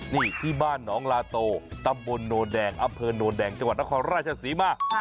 นี่ที่บ้านหนองลาโตตำบลโนนแดงอำเภอโนนแดงจังหวัดนครราชศรีมา